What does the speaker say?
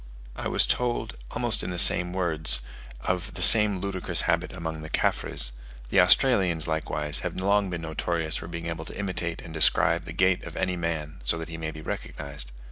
I was told, almost in the same words, of the same ludicrous habit among the Caffres; the Australians, likewise, have long been notorious for being able to imitate and describe the gait of any man, so that he may be recognized.